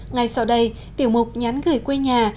ngày sau đây tiểu mục nhắn gửi quê nhà